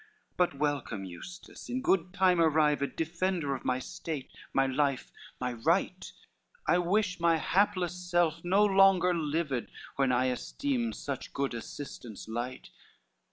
But welcome Eustace, in good time arrived, Defender of my state, my life, my right. I wish my hapless self no longer lived, When I esteem such good assistance light."